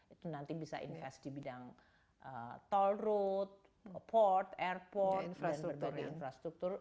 itu nanti bisa invest di bidang toll road port airport dan berbagai infrastruktur